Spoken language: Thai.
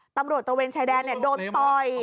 ตำรวจโรเวณชายแดนเนี่ยโดนต่อย